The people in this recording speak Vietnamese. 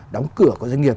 đóng cửa của doanh nghiệp